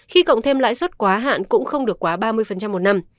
khi cộng thêm lãi suất quá hạn cũng không được quá ba mươi một năm